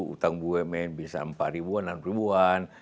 utang bumn bisa empat ribuan enam ribuan